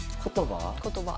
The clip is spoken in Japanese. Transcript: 言葉？